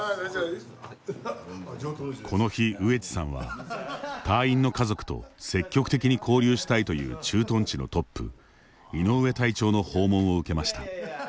この日、上地さんは隊員の家族と積極的に交流したいという駐屯地のトップ井上隊長の訪問を受けました。